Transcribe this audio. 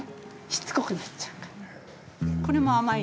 しつこくなっちゃうから。